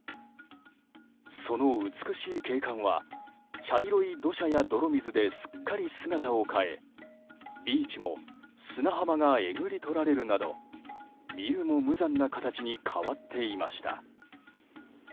その美しい景観は茶色い土砂や泥水ですっかり姿を変えビーチも砂浜がえぐり取られるなど見るも無残な形に変わっていました。